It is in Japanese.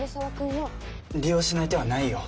利用しない手はないよ。